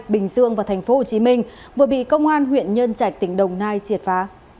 bình dương và thành phố hồ chí minh vừa bị công an huyện nhân trạch tỉnh đồng nai triệt phá